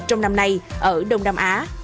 trong năm nay ở đông nam á